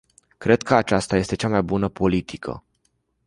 Cred că aceasta este cea mai bună politică.